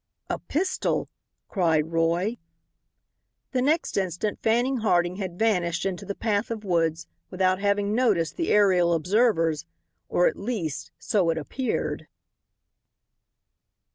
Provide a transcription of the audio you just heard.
"A pistol!" cried Roy. The next instant Fanning Harding had vanished into the patch of woods without having noticed the aerial observers, or, at least, so it appeared.